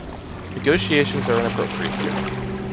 Negotiations are inappropriate here.